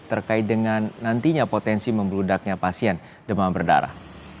terkait dengan nantinya potensi membeludaknya pasien demam berdarah